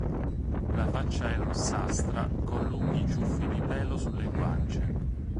La faccia è rossastra, con lunghi ciuffi di pelo sulle guance.